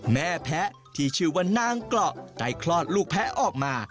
แม่แพ้ที่ชื่อว่านางเกราะได้คลอดลูกแพ้ออกมา